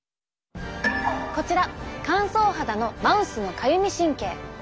こちら乾燥肌のマウスのかゆみ神経。